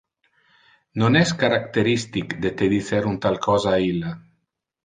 Non es characteristic de te dicer un tal cosa a illa.